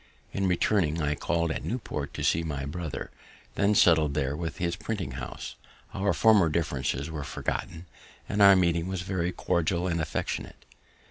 In returning, I call'd at Newport to see my brother, then settled there with his printing house. Our former differences were forgotten, and our meeting was very cordial and affectionate.